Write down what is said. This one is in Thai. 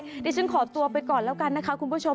เดี๋ยวฉันขอตัวไปก่อนแล้วกันนะคะคุณผู้ชม